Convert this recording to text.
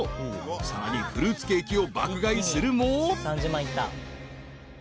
［さらにフルーツケーキを爆買いするも］